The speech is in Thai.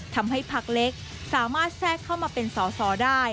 ทำให้พักเล็กสามารถแทรกเข้ามาเป็นสอสอได้